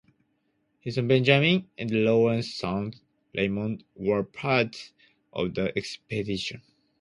His son Benjamin and Lawrence's son Raymond were part of the expedition.